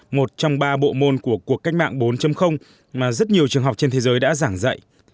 một trong ba bộ môn của cuộc cách mạng bốn mà rất nhiều trường học trên thế giới đã giảng dạy